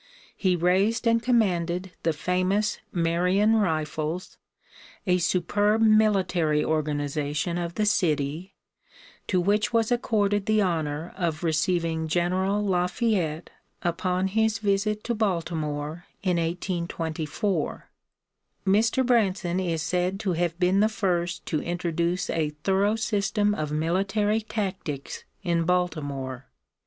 He raised and commanded the famous Marion Rifles, a superb military organization of the city, to which was accorded the honor of receiving General Lafayette upon his visit to Baltimore in 1824. Mr. Branson is said to have been the first to introduce a thorough system of military tactics in Baltimore.